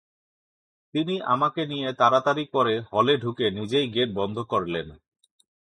তিনি আমাকে নিয়ে তাড়াতাড়ি করে হলে ঢুকে নিজেই গেট বন্ধ করলেন।